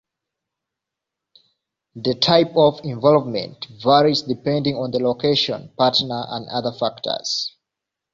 The type of involvement varies depending on the location, partner, and other factors.